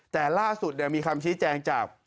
แต่ล่าสุดมีคำชี้แจงจาก